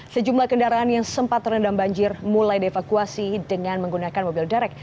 sejumlah kendaraan yang sempat terendam banjir mulai dievakuasi dengan menggunakan mobil derek